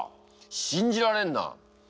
信じられんな。